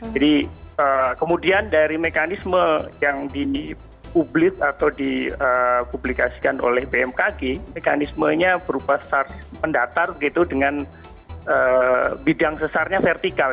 jadi kemudian dari mekanisme yang dipublikasikan oleh bmkg mekanismenya berupa sesar pendatar dengan bidang sesarnya vertikal